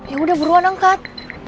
ya udah buruan angkat